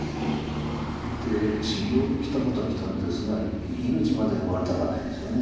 で修行に来たことは来たんですが命まで奪われたくはないですよね。